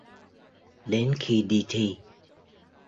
Đến khi đi thi